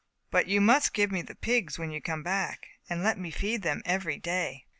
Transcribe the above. But you must give me the pigs when you come back, and let me feed them every day."